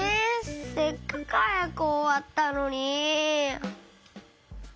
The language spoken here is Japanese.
せっかくはやくおわったのに。